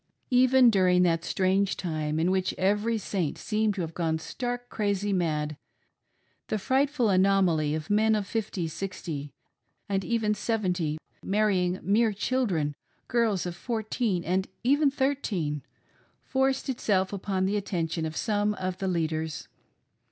Even during that strange time in which every Saint seemed to have gone stark crazy mad, the frightful anomaly of men of fifty, sixty, and even seventy marrying mere children — girls of fourteen, and even thirteen, —forced itself upon the attention of some of the leaders.